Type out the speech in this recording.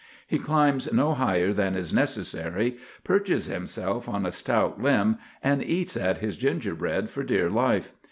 He climbs no higher than is necessary, perches himself on a stout limb, and eats at his gingerbread for dear life.